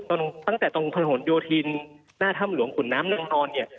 ซึ่งตั้งแต่ตอนพระหลโยธินหน้าถ้ำหลวงขุนน้ำนางนอน